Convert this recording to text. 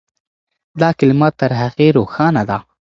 دا کلمه تر هغې روښانه ده.